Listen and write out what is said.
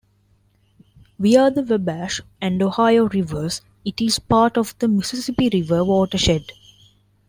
Via the Wabash and Ohio rivers, it is part of the Mississippi River watershed.